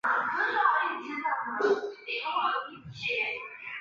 是一家位于荷兰埃因霍温的足球俱乐部。